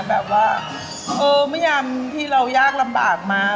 แบบว่าไม่ได้ที่เรายากลำบากมา